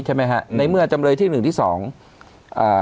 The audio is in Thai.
ใช่ไหมฮะในเมื่อจำเลยที่หนึ่งที่สองอ่า